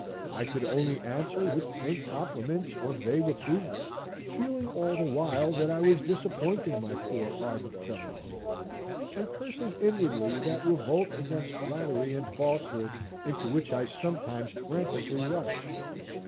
I could only answer with faint compliments or vague approval, feeling all the while that I was disappointing my poor ardent fellow, and cursing inwardly that revolt against flattery and falsehood into which I sometimes frantically rush.